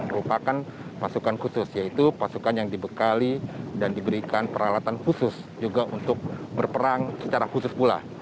merupakan pasukan khusus yaitu pasukan yang dibekali dan diberikan peralatan khusus juga untuk berperang secara khusus pula